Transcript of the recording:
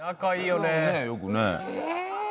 よくね。